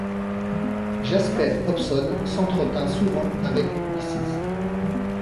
Jasper Hobson s’entretint souvent avec Mrs.